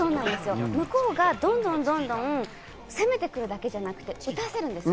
向こうがどんどん攻めてくるだけじゃなくて打たせるんです。